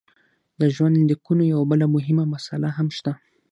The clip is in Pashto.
د ژوندلیکونو یوه بله مهمه مساله هم شته.